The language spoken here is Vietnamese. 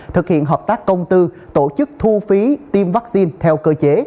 thực hiện hợp tác công tư tổ chức thu phí tiêm vaccine theo cơ chế